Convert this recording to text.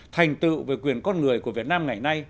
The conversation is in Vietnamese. thành tựu về quyền con người của việt nam ngày nay